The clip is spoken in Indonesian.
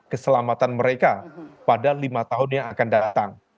keselamatan mereka pada lima tahun yang akan datang